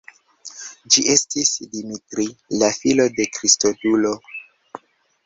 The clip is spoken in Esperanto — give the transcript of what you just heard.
Ĝi estis Dimitri, la filo de Kristodulo.